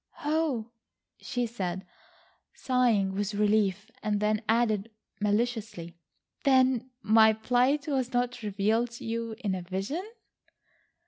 "Oh," said she, sighing with relief, and then added maliciously: "then my plight was not revealed to you in a vision?"